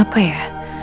masih enak ya